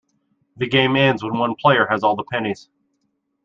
The game ends when one player has all the pennies.